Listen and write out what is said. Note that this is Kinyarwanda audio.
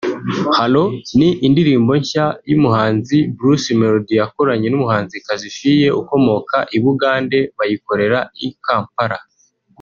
Hallo ni indirimbo nshya y’umuhanzi Bruce Melodie yakoranye n’umuhanzikazi Fille ukomoka i Bugande bayikorera i Kampala